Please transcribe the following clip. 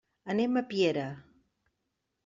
Anem a Piera.